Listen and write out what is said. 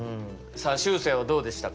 さあしゅうせいはどうでしたか？